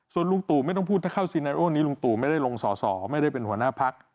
ส่วนลุงตู่ไม่ต้องพูดถ้าเข้าซีไนโอนี้ลุงตู่ไม่ได้ลงสอสอไม่ได้เป็นหัวหน้าพัก